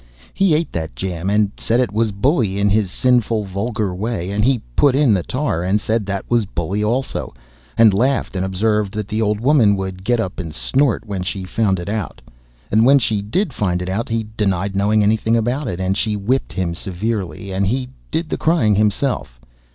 He ate that jam, and said it was bully, in his sinful, vulgar way; and he put in the tar, and said that was bully also, and laughed, and observed "that the old woman would get up and snort" when she found it out; and when she did find it out, he denied knowing anything about it, and she whipped him severely, and he did the crying himself.